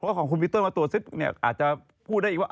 เพราะของคุณปีเตอร์มาตรวจอาจจะพูดได้อีกว่า